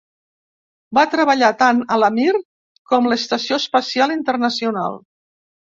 Va treballar tant a la Mir com l'Estació Espacial Internacional.